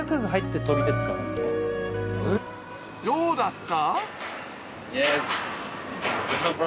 どうだった？